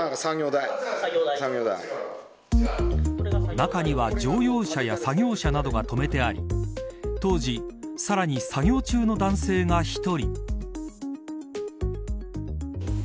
中には乗用車や作業車などが止めてあり当時、さらに作業中の男性が１人。